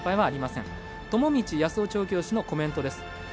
友道康夫調教師のコメントです。